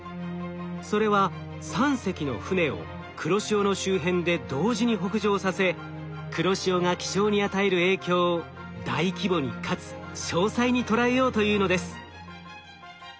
それは３隻の船を黒潮の周辺で同時に北上させ黒潮が気象に与える影響を大規模にかつ詳細にとらえようというのです。